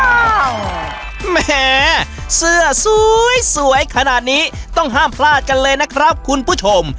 แหมเสื้อสวยขนาดนี้ต้องห้ามพลาดกันเลยนะครับคุณผู้ชม